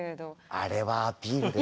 あれはアピールです。